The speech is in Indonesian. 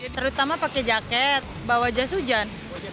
terutama pakai jaket bawa jas hujan